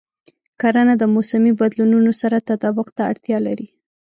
کرنه د موسمي بدلونونو سره تطابق ته اړتیا لري.